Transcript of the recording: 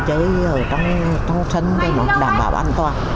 chơi ở trong sân để đảm bảo an toàn